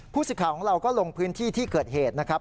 สิทธิ์ของเราก็ลงพื้นที่ที่เกิดเหตุนะครับ